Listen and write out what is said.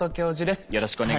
よろしくお願いします。